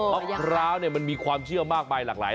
มะพร้าวมันมีความเชื่อมากมายหลากหลาย